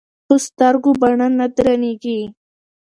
ـ په سترګو باڼه نه درنېږي.